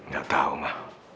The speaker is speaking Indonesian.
gak tahu ma